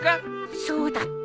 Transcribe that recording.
そうだった。